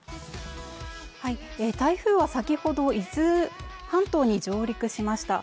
台風は先ほど伊豆半島に上陸しました。